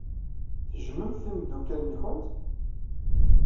Tejjmemt timeddukal-nwen?